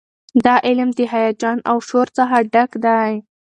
دا علم د هیجان او شور څخه ډک دی.